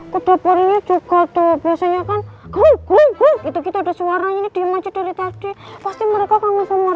ke depannya juga tuh biasanya kan itu kita ada suaranya dimanjur dari tadi pasti mereka